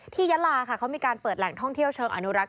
ยะลาค่ะเขามีการเปิดแหล่งท่องเที่ยวเชิงอนุรักษ